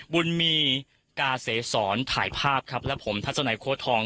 บุญมีกาเสสอนถ่ายภาพครับและผมทัศนัยโค้ดทอง